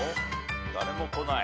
誰もこない。